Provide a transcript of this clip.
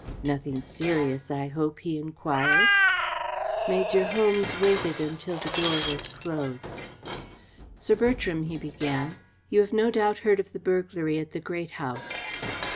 "Nothing serious, I hope," he enquired. Major Holmes waited until the door was closed. "Sir Bertram," he began, "you have heard no doubt of the burglary at the Great House."